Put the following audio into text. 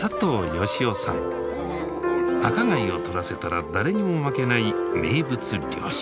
赤貝を取らせたら誰にも負けない名物漁師。